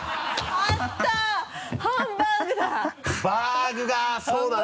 バーグだ！